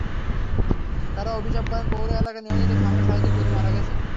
তাঁরা অভিযোগ করেন, পৌর এলাকার নিবন্ধিত খামারের শতাধিক গরু মারা গেছে।